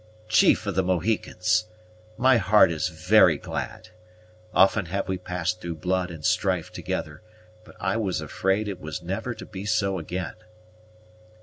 "Chief of the Mohicans! My heart is very glad. Often have we passed through blood and strife together, but I was afraid it was never to be so again."